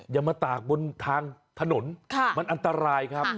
อย่ามาตากบนทางถนนมันอันตรายครับ